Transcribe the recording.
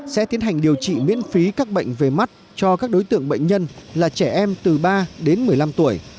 sẽ tiến hành điều trị miễn phí các bệnh về mắt cho các đối tượng bệnh nhân là trẻ em từ ba đến một mươi năm tuổi